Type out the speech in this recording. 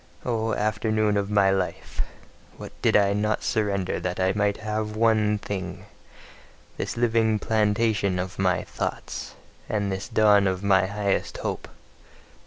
O afternoon of my life! What did I not surrender that I might have one thing: this living plantation of my thoughts, and this dawn of my highest hope!